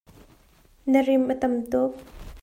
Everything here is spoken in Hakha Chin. Na rim a tam tuk.